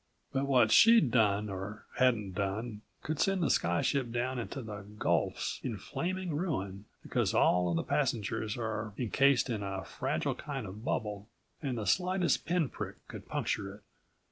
But what she'd done or hadn't done could send the sky ship down into the gulfs in flaming ruin, because all of the passengers are encased in a fragile kind of bubble and the slightest pinprick could puncture it.